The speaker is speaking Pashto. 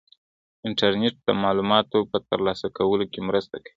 انټرنيټ د معلوماتو په ترلاسه کولو کې مرسته کوي.